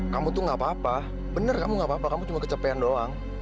kamu tuh gapapa bener kamu gapapa kamu cuma kecapean doang